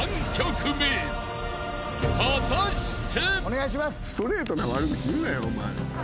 ［果たして？］